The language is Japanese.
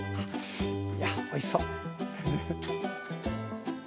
やっおいしそう。